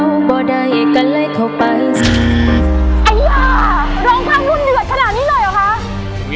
อัยย่าร้องข้ามรุ่นเหนือถนาดนี้เลยเหรอคะ